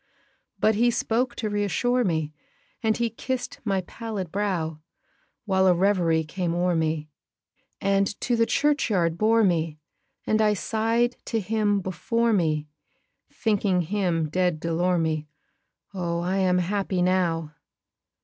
But he spoke to re assure me, And he kissed my pallid brow, While a reverie came o'er me, And to the church yard bore me, And I sighed to him before me, Thinking him dead D'Elormie, "Oh, I am happy now!"